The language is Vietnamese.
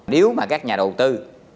nếu mà các nhà đầu tư